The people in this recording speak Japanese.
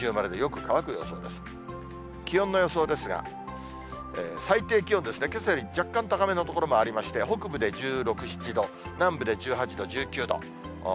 気温の予想ですが、最低気温ですね、けさより若干高めの所もありまして、北部で１６、７度、南部で１８度、１９度。